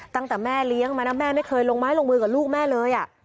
ตั้งแต่แม่เลี้ยงมานะแม่ไม่เคยลงไม้ลงมือกับลูกแม่เลย